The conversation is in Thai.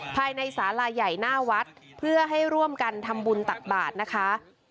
ภายในสาลาใหญ่หน้าวัดเพื่อให้ร่วมกันทำบุญตักบาทนะคะ